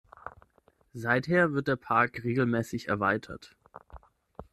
Seither wird der Park regelmäßig erweitert.